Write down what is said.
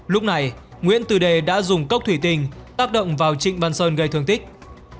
lúc này nguyễn từ đề đã dùng cốc thủy tình tác động vào trịnh văn sơn gây thương tích